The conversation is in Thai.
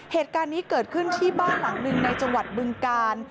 เหตุการณ์นี้เกิดขึ้นที่บ้านหลังหนึ่งในจังหวัดบึงกาล